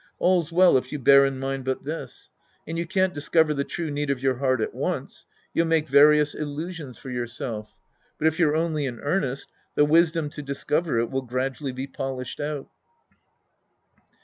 All's well if you bear in mind but this. And you can't discover the true used of your heart at once. You'll make various illusions for j^ourself. But if you're only in earnest, the wisdom to discover it will gradually be polished out.